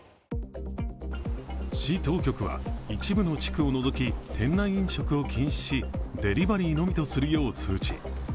市当局は一部の地区を除き店内飲食を禁止しデリバリーのみとするよう通知。